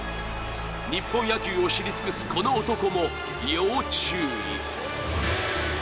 日本野球を知り尽くすこの男も要注意。